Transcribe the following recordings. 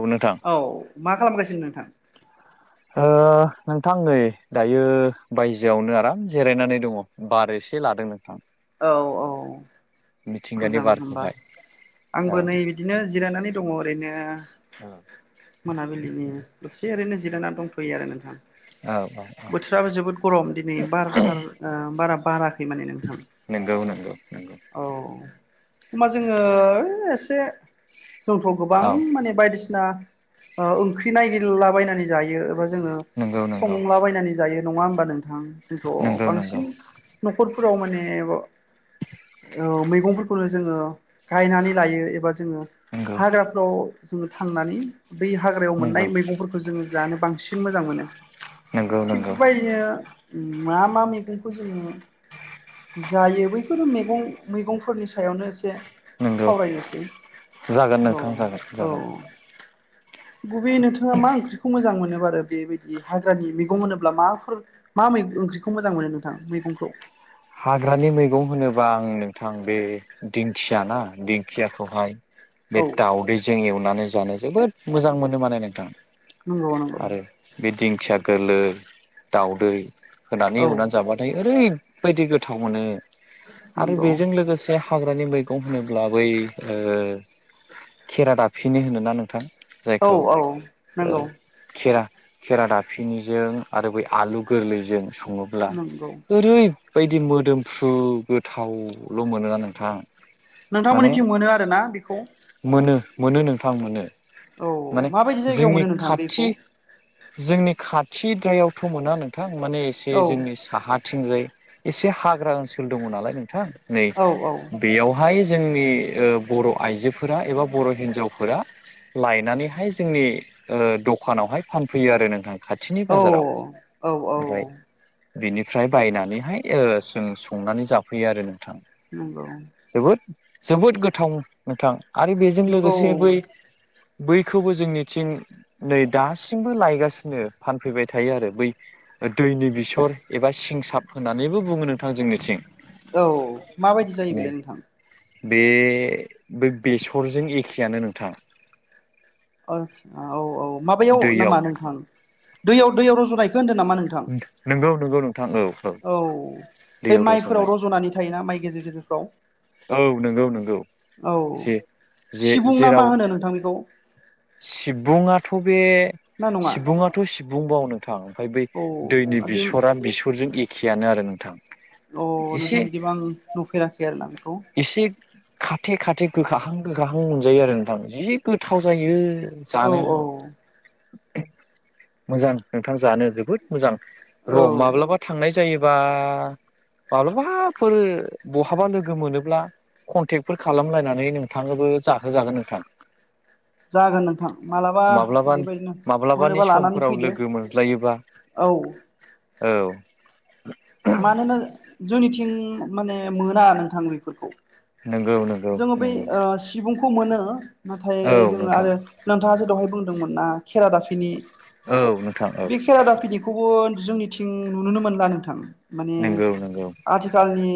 औ नोंथां औ मा खालामगासिनो नोंथां ओ नोंथां नै दायो बायजोआवनो आराम जिरायनानै दङ बार एसे लादों नोंथां औ औ मिथिंगानि मोजां होमबा बारखौहाय औ आंबो नै बिदिनो जिरायनानै दङ ओरैनो औ मोनाबिलिनि दसे ओरैनो जिरायनानै दंथयो आरो नोंथां औ औ बोथोराबो जोबोद गरम दिनै बार सार बारा बाराखै माने नोंथां नोंगौ नोंगौ नोंगौ औ होनबा जोङो एसे जोंथ गोबां औ माने बायदिसिना ओंख्रि नायिरला बनानै जायो एबा जोङो नंगौ नंगौ संलाबायनानै जायो नङा होमबा नोंथां जोंथ नंगौ नंगौ बांसिन न'खरफोराव माने मैगंफोर खौनो जोङो गायनानै लायो एबा जोङो नंगौ हाग्राफ्राव जोङो थांनानै बे हाग्रायाव नंगौ मोननाय मैगंफोरखौ जोङो जानो बांसिन मोजां मोनो। नंगौ थिग नंगौ बेबायदिनो मा मा मैगंखौ जोङो जायो बैफोरो मैगं मैगंफोरनि सायावनो एसे नंगौ सावरायनोसै जागोन औ नोंथां जागोन औ जागोन बबे नोंथाङा मा ओंख्रिखौ मोजां मोनो आरो बेबायदि बे हाग्रानि मैगं होनोब्ला माफोर मा मै ओंख्रिखौ मोजां मोनो नोंथां मैगंखौ? हाग्रानि मैगं होनोबा आं नोंथां बे दिंखिया ना दिंखियाखौहाय औ बे दाउदैजों एवनानै जानो जोबोद मोजां मोनो माने नोंथां नंगौ नंगौ। आरो बे दिंखिया गोलै दाउदै होनानै औ एवनानै जाबाथाय ओरै बायदि गोथाव मोनो आरो नंगौ बेजों लोगोसे हाग्रानि मैगं होनोब्ला बै ओ खेरा दाफिनो होनोना नोंथां औ जायखौ औ नंगौ खेरा खेरा दाफिनिजों आरो बै आलु गोरलैजों सङो अब्ला नंगौ ओरैबायदि मोदोमफ्रु गोथावल' मोनोना नोंथां माने नोंथांमोननि टिम मोनो आरोना बेखौ मोनो मोनो नोंथां मोनो औ माने माबायदि जायगायाव जोंनि मोनो नोंथां बेखौ खाथि जोंनि खाथिद्रायावथ' मोना नोंथां माने एसे औ जोंनि साहाथिंजाय एसे हाग्रा ओनसोल दङ नालाय नोंथां नै औ बेयावहाय जोंनि ओ बर' आइजोफोरा एबा बर' हिन्जावफोरा लायनानैहाय जोंनि ओ दखानावहाय फानफैयो आरो नोंथां खाथिनि औ बाजाराव औ औ ओमफ्राय बिनिफ्राय बायनानैहाय ओ जों संनानै जाफैयो आरो नोंथां नंगौ जोबोद जोबोद गोथाव नोंथां आरो बेजों नंगौ लोगोसे बै बैखौबो जोंनिथिं नै दासिमबो लायगासिनो फानफैबाय थायो आरो बै दैनि बिसर एबा सिंसाब होननानैबो बुङो नों औ माबायदि जायो बेलाय नोंथां बे बै बेसरजों एखेयानो नोंथां। आसा औ औ माबायाव दैयाव नामा नोंथां दैयाव दैयाव रज'नायखौ होनदों नामा नोंथां? नंगौ नंगौ नोंथां औ औ बे दैयाव रज'नाय माइफोराव रज'नानै थायोना माइ गेजेर गेजेरफ्राव औ नंगौ नंगौ। औ जे जे सिबुं ना जेराव मा होनो नोंथां बेखौ? सिबुङाथ' बे नोंथां ना बे नङा सिबुङाथ' सिबुं बाव नोंथां ओमफ्राय बै औ दैनि आरो बे बिसरा बेसरजों एखेयानो आरो नोंथां। अ एसे नोंथां बिदिबा आं नुफेराखै आरोना बेखौ इसे खाथे खाथे गोखाहां गोखाहां मोनजायो आरो नोंथां जि गोथाव जायो। औ जानो औ मोजां नोंथां जानो जोबोद मोजां। औ र' माब्लाबा थांनाय जायोबा माब्लाबाफोर बहाबा लोगो मोनोब्ला कनटेक्टफोर खालामलायनानै नोंथांनोबो जाहोजागोन नोंथां। जागोन नोंथां मालाबा माब्लाबा बेबायदिनो माब्लाबानि मोनोबा लानानै समफोराव फैदो। लोगो मोनज्लायोबा औ औ मानोना जोंनिथिं माने मोना नोंथां बेफोरखौ नंगौ नंगौ जोङो बै नंगौ ओ सिबुंखौ मोनो नाथाय औ जोङो नोंथां आरो नोंथाङासो दहाय बुंदोंमोन ना खेरा दा नि औ नोंथां औ बे खेरा दाफिनिखौबो जोंनिथिं नुनो मोनला नोंथां। माने नंगौ नंगौ आथिखालनि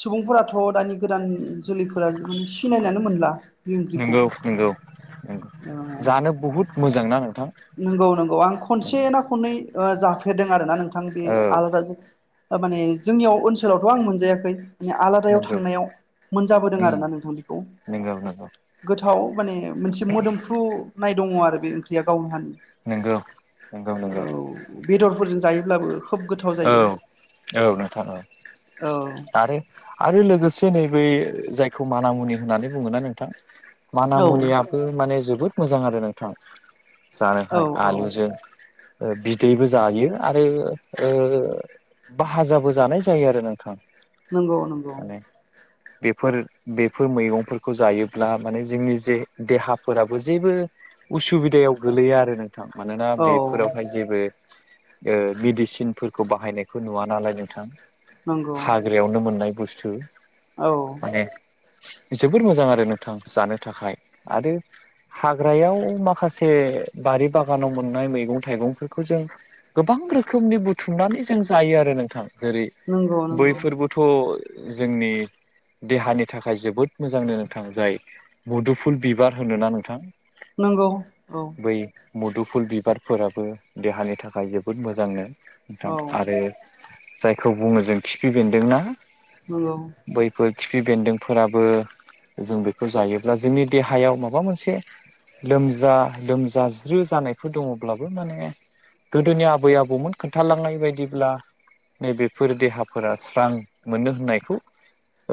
सुबुंफोराथ' दानि गोदान जोलैफोरा माने सिनायनानै मोनला बे ओंख्रिखौ नंगौ औ बहुत मोजां ना नोंथां नंगौ नंगौ आं खनसे ना खननै जाफेरदों आरोना नोंथां बे औ आलादा ओ माने जोंनियाव ओनसोलावथ' आं मोनजायाखै माने आलादायाव नंगौ थांनायाव मोनजाबोदों उम आरोना नोंथां बेखौ नंगौ नोंगौ गोथाव माने मोनसे मोदोमफ्रु फ्रुनाय दङ आरो बे ओंख्रिया गावनि हानि नंगौ नंगौ नंगौ औ बेदरफोरजों जायोब्लाबो खोब गोथाव औ जायो औ नोंथां औ औ आरो आरो लोगोसे नैबे जायखौ माना मुनि होननानै बुङोना नोंथां मान औ मुनियाबो माने जोबोद मोजां आरो नोंथां औ जानोखाय औ आलुजों बिदैबो जायो आरो ओ भाहाजाबो जानाय जायो आरो नोंथां नंगौ नंगौ माने बेफोर बेफोर मैगंफोरखौ जायोब्ला माने जोंनि जे देहाफोराबो जेबो उसुबिदायाव गोलैया आरो नोंथां मानोना औ बेफोरावहाय जेबो ओ मेडिसिन फोरखौ बाहायनायखौ नुवा नालाय नोंथां नंगौ हाग्रायावनो मोननाय बुस्थु औ माने जोबोर मोजां आरो नोंथां जानो थाखाय आरो हाग्रायाव माखासे बारि बागानाव मोननाय मैगं थाइगंफोरखौ जों गोबां रोखोमनि बुथुमनानै जों जायो आरो नोंथां जेरै नंगौ नंगौ बैफोरबो थ' जोंनि देहानि थाखाय जोबोद मोजांनो नोंथां जाय मुदुफुल बिबार होनोना नोंथां नंगौ औ बै मुदुफुल बिबारफोराबो देहानि थाखाय जोबोद मोजांनो नोंथां औ आरो जायखौ बुङो जों खिफि बेन्दोंना नंगौ बै बेफोर खिफि बेन्दोंफोराबो जों बेखौ जायोब्ला जोंनि देहायाव माबा मोनसे लोमजा लोमजाज्रो जानायफोर दङब्लाबो माने गोदोनि आबै आबौमोन खोनथालांनाय बायदिब्ला नैबेफोर देहाफोरा स्रां मोनो होननायखौ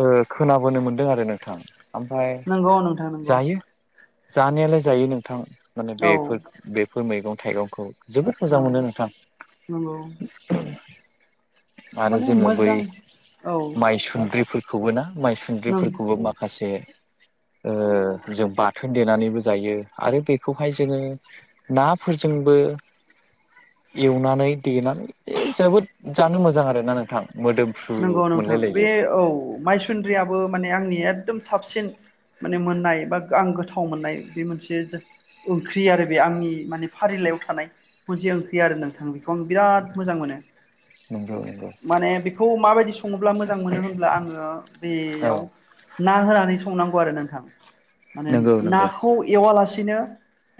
ओ खोनाबोनो मोनदों आरो नोंथां ओमफ्राय नंगौ नोंथां नंगौ जायो। जानायालाय जायो नोंथां माने औ बेफोर बेफोर मैगं थाइगंखौ जोबोद औ मोजां मोनो नोंथां नंगौ आरो माने जोङो बै मोजां औ माइ सुन्द्रिफोर खौबो ना माइ नों सुन्द्रिफोरखौबो माखासे ओ जों बाथोन देनानैबो जायो आरो बेखौहाय जोङो नाफोरजोंबो एवनानै देनानै जोबोद जानो मोजां आरोना नोंथां मोदोमफ्रु नंगौ नोंथां बे मोनलायलायो औ मायसुन्द्रियाबो माने आंनि एकदम साबसिन माने मोननाय बा आं गोथाव मोननाय बे मोनसे जा ओंख्रि आरो बे आंनि माने फारिलाइयाव थानाय मोनसे ओंख्रि आरो नोंथां बेखौ आं बिराद मोजां मोनो नंगौ नंगौ माने बेखौ माबायदि सङोब्ला मोजां मोनो होनब्ला आङो औ बेयाव ना होनानै संनांगौ आरो नोंथां माने नंगौ नंगौ नाखौ एवालासेनो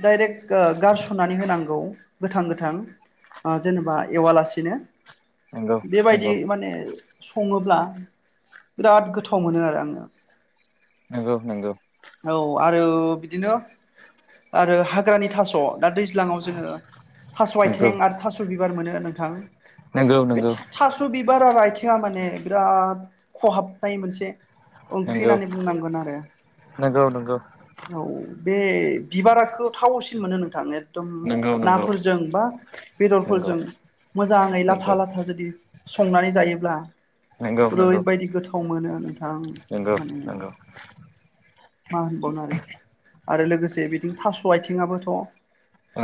दडाइरेक्ट गारस'नानै होनांगौ गोथां गोथां ओ जेनेबा एवालासिनो नंगौ बेबायदि नंगौ माने सङोब्ला बिराद गोथाव मोनो आरो आङो नंगौ नंगौ औ आरो बिदिनो आरो हाग्रानि थास दा दैज्लाङाव जोङो थास नंगौ आथें आरो थास बिबार मोनो नोंथां नंगौ नंगौ बे थास बिबारा आरो आइथिङा माने बिराद खहाबनाय मोनसे ओंख्रि नंगौ होननानै बुंनांगोन आरो नंगौ नंगौ औ बे बिबाराखौ थावसिन मोनो नोंथां एदम नंगौ नंगौ नाफोरजों बा नंगौ बेदरफोरजों मोजाङै लाथा लाथा जुदि संनानै जायोब्ला नंगौ ओरैबायदि गोथाव मोनो नोंथां नंगौ माने नंगौ मा होनबावनो आरो आरो लोगोसे बिदिनो थास आथिङाबोथ औ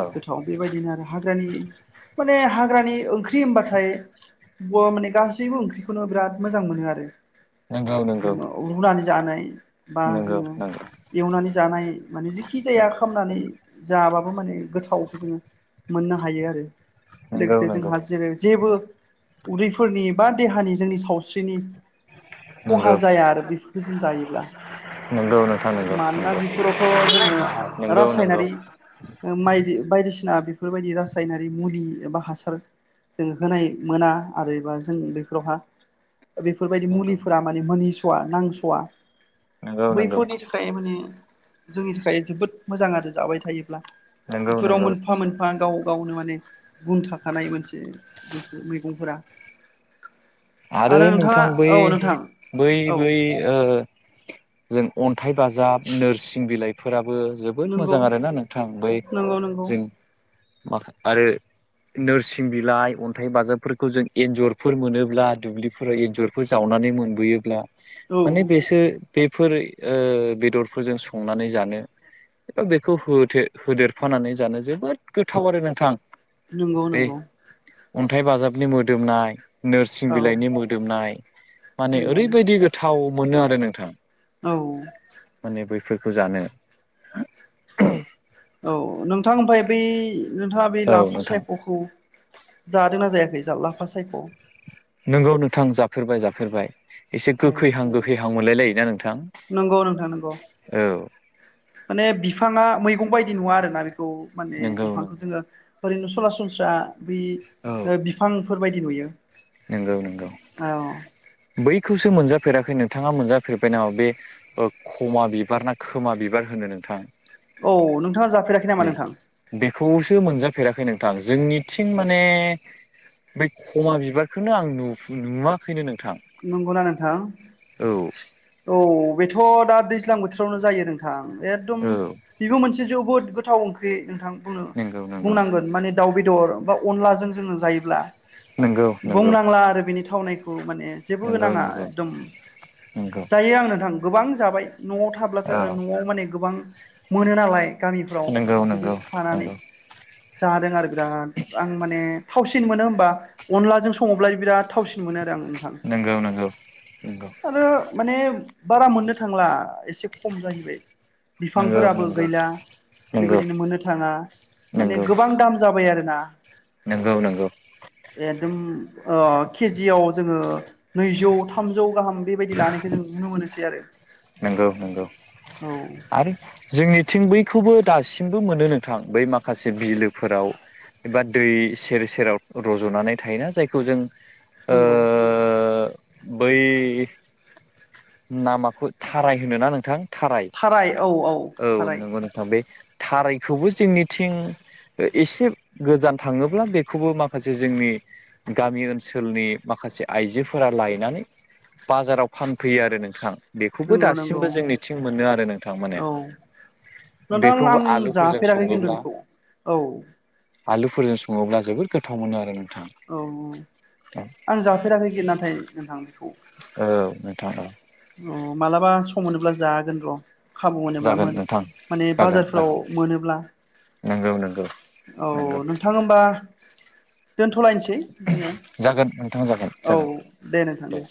औ गोथाव बेबायदिनो आरो हाग्रानि माने हाग्रानि ओंख्रि होनबाथाय ब माने गासैबो ओंख्रिखौनो बिराद मोजां मोनो आरो नंगौ नंगौ रुनानै जानाय बा नंगौ नंगौ जोङो एवनानै जानाय माने जिखि जाया नंगौ खामनानै जाबाबो माने गोथावखौ जोङो मोननो हायो आरो नंगौ लोगोसे जोंहा जेरै जेबो उदैफोरनि बा देहानि जोंनि सावस्रिनि खहा नंगौ जाया आरो बेफोरफोरखौ जों जायोब्ला नंगौ नोंथां नंगौ मानोना नंगौ बेफोरावथ जोङो नंगौ नंगौ रासायनारि मायदि बायदिसिना बेफोरबायदि रासायनारि मुलि एबा हासार जों होनाय मोना आरोबा एबा जों बेफोरावहा बेफोरबायदि नंगौ मुलिफोरा माने मोनै सवा नांसवा नंगौ नंगौ बैफोरनि था थाखाय माने जोंनि थाखाय जोबोद मोजां आरो जाबाय थायोब्ला नंगौ बेफोराव नंगौ मोनफा मोनफा बिफां गाव गावनो माने गुन थाखानाय मोनसे बेफोर सुबुंफोरा आरो नोंथां बै बै औ बै ओ जों अन्थाइ बाजाब नोरसिं बिलाइफोराबो जोबो द मोजां नंगौ आरोना नोंथां बै नंगौ नंगौ जों माखा आरो नोरसिं बिलाइ अन्थाइ बाजाबफोरखौ जों एन्जरफोर मोनोब्ला दुब्लिफोराव एन्जरफोर जावनानै मोनबोयोब्ला औ माने बेसोर बेफोर बेदरफोरजों संनानै जानो बेखौ होथे होदेरफानानै जानो जोबोद गोथाव आरो नोंथां नंगौ बे नंगौ अन्थाइ बाजाबनि मोदोमनाय नोरसिं औ बिलाइनि मोदोमनाय माने नंगौ ओरैबायदि गोथाव मोनो आरो नोंथां औ माने बैफोरखौ जानो औ नोंथां ओमफ्राय बै नोंथाङा बै औ नोंथां लाफासायखखौ जादोंना जायाखै जा लाफासायख नोंगौ नोंथां जाफेरबाय जाफेरबाय एसे औ गोखैहां गोखैहां मोनलाय लायोना नोंथां नंगौ नोंथां नंगौ औ माने बिफाङा मैगं बायदि नङा आरोना बेखौ माने नंगौ बिफांखौ नंगौ जोङो ओरैनो सरासनस्रा औ बै बिफांफोर बदि नुयो नंगौ नंगौ औ बैखौसो मोनजाफेराखै नोंथाङा मोनजाफेरबाय नामा बे खमा बिबार ना खोमा बिबार होनो नोंथां औ नोंथाङा जाफेराखै नामा नै नोंथां बेखौसो मोनजाफेराखै नोंथां जोंनिथिं माने बै खमा बिबार खौनो आं नुवाखैनो नोंथां नंगौना नोंथां औ औ बेथ' दा दैज्लां बोथोरावनो जायो नोंथां एकदम औ बेबो मोनसे जोबोद गोथाव ओंख्रि नोंथां बुंनो नंगौ नंगौ बुंनांगोन माने दाउ बेदर बा अनलाजों जोङो जायोब्ला नंगौ नंगौ बुंनांला आरो बिनि थावनायखौ माने जेबो नंगौ नाङा नंगौ एकदम नंगौ जायो आं नोंथां गोबां जाबाय न'आव थाब्लाथा औ न'आव माने गोबां मोनो नालाय गामिफ्राव नंगौ नंगौ बिदिनो खानानै नंगौ जादों आरो बिराद आं माने थावसिन मोनो होमबा अनलाजों सङोब्ला बिराद थावसिन मोनो आरो आं नोंथां नंगौ नंगौ नंगौ आरो माने बारा मोननो थांला एसे खम जाहैबाय नंगौ नंगौ बिफांफोराबो नंगौ गैला नंगौ बेबायदिनो मोननो थाङा माने गोबां दाम जाबाय आरोना नोंगौ नोंगौ एकदम ओ केजियाव जोङो नैजौ थामजौ गाहाम बेबायदि लानायखौ जों नुनो मोनोसै आरो नंगौ नंगौ औ आरो जोंनिथिं बैखौबो दासिमबो मोनो नोंथां बै माखासे बिलोफोराव एबा दै सेर सेराव रज'नानै थायोना जायखौ जों ओ नंगौ बै नामा थाराय होनोना नोंथां थाराय औ नंगौ नों बे थारायखौबो जोंनिथिं एसे गोजान थांङोब्ला बेखौबो माखासे जोंनि गामि ओनसोलनि माखासे आइजोफोरा लायनानै बाजाराव फानफैयो आरो नोंथां बेखौबो नंगौ नंगौ दासिमबो जोंनिथिं मोनो आरो नोंथां माने औ नोंथां आं बेखौबो आलुफोरजों जाफेराखै खिन्थु सङोब्ला बेखौ औ औ आलुफोरजों सङोब्ला जोबोद गोथाव मोनो आरो नोंथां औ आं जाफेराखै गि नाथाय नोंथां बेखौ औ नोंथां औ औ मालाबा सम मोनोब्ला जागोन र' खाबु मोनोब्ला जागोन मोन नोंथां माने जागोन बाजारफोराव जागोन मोनोब्ला नंगौ नंगौ औ नंगौ नोंथां होमबा दोनथ'लायनोसै जोंङो जागोन नोंथां जागोन औ जागोन दे नोंथां दे